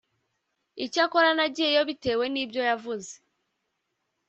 icyakora nagiyeyo bitewe n ibyo yavuze